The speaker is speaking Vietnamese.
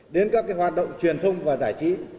đến các hoạt động truyền thông và giải trí